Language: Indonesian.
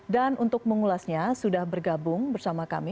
dan untuk mengulasnya sudah bergabung bersama kami